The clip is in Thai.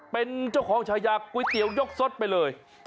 เป็นเจ้าของชายาก๋วยเตี๋ยวยกสดไปเลย